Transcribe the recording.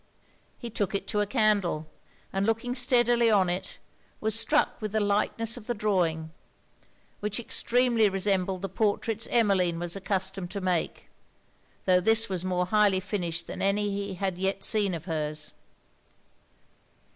He took it to a candle; and looking steadily on it, was struck with the lightness of the drawing, which extremely resembled the portraits Emmeline was accustomed to make; tho' this was more highly finished than any he had yet seen of her's.